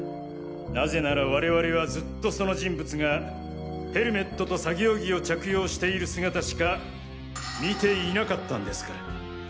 なぜなら我々はずっとその人物がヘルメットと作業着を着用している姿しか見ていなかったんですから！